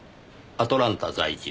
アトランタ在住。